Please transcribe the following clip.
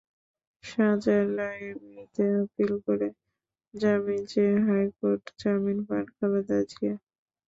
সাজার রায়ের বিরুদ্ধে আপিল করে জামিন চেয়ে হাইকোর্ট জামিন পান খালেদা জিয়া।